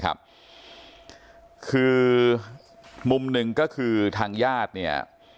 คือมุมหนึ่งก็คือทางญาติเนี่ย